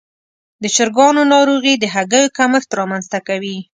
د چرګانو ناروغي د هګیو کمښت رامنځته کوي.